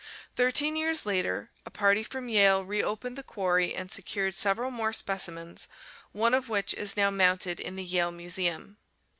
Thirteen years later a party from Yale reopened the quarry and secured several more specimens, one of which (PI. XXIV) is now mounted in the Yale Museum.